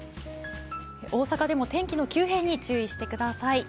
大阪でも天気の急変に注意してください。